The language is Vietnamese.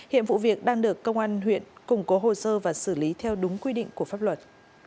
hiện vụ việc đang được công an huyện củng cố hồ sơ và xử lý theo đúng quy định của pháp luật